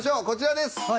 こちらです。